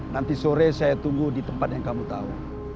nanti sore saya tunggu di tempat yang kamu tahu